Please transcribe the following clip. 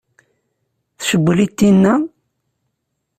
Tcewwel-it tinna?